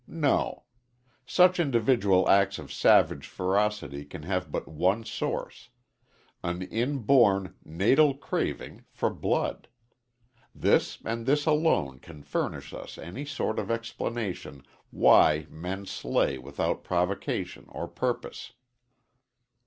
No. Such individual acts of savage ferocity can have but one source an inborn, natal craving for blood. This and this alone can furnish us any sort of explanation why men slay without provocation or purpose.